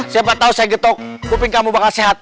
siapa tau saya getok kubing kamu bakal sehat